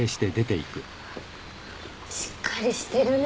しっかりしてるね。